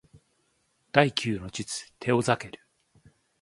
第九の術テオザケル